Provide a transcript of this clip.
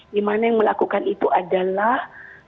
dimana yang melakukan itu adalah